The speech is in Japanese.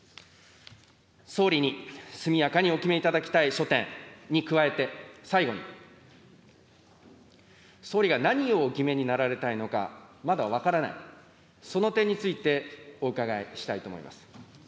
総理に速やかにお決めいただきたい諸点に加えて、最後に、総理が何をお決めになられたいのか、まだ分からない、その点について、お伺いしたいと思います。